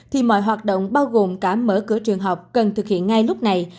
thì mọi hoạt động bao gồm cả mở cửa trường học cần thực hiện ngay lúc này